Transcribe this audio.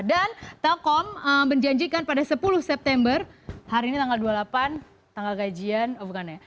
dan telkom menjanjikan pada sepuluh september hari ini tanggal dua puluh delapan tanggal gajian oh bukan ya